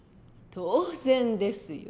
当然ですよ。